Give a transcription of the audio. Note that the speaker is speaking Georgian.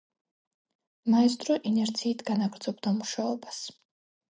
მაესტრო ინერციით განაგრძობდა მუშაობას.